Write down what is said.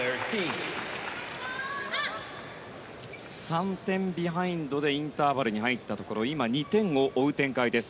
３点ビハインドでインターバルに入りましたが２点を追う展開です。